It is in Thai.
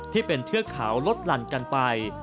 ที่เป็นเทือกเขาลดหลั่นกันไป